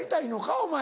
お前。